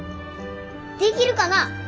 できるかな？